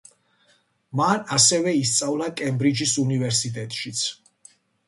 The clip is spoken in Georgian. მან ასევე ისწავლა კემბრიჯის უნივერსიტეტშიც.